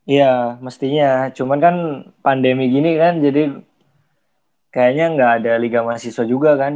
iya mestinya cuman kan pandemi gini kan jadi kayaknya nggak ada liga mahasiswa juga kan